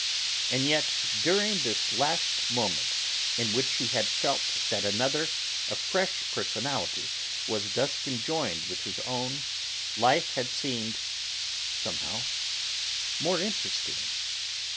And yet, during this last moment in which he had felt that another, a fresh personality was thus conjoined with his own, life had seemed, somehow, more interesting.